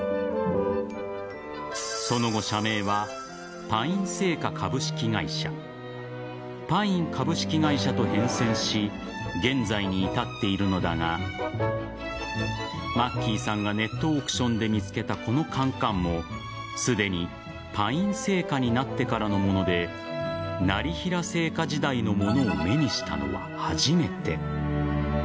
その後、社名はパイン製菓株式会社パイン株式会社と変遷し現在に至っているのだがマッキーさんがネットオークションで見つけたこのカンカンもすでにパイン製菓になってからのもので業平製菓時代のものを目にしたのは初めて。